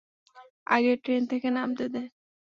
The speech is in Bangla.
আগে ট্রেন থেকে নামতে দে।